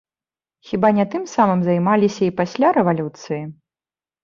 Хіба не тым самым займаліся і пасля рэвалюцыі?